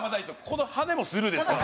この羽もスルーですか？